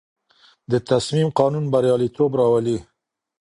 د تصمیم قانون بریالیتوب راولي.